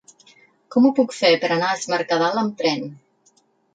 Com ho puc fer per anar a Es Mercadal amb tren?